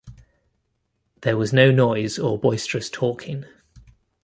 There was no noise or boisterous talking.